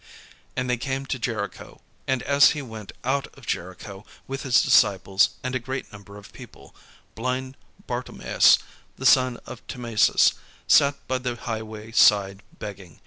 And they came to Jericho: and as he went out of Jericho with his disciples and a great number of people, blind Bartimaeus, the son of Timasus, sat by the highway side begging.